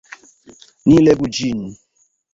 Ni legu ĝin!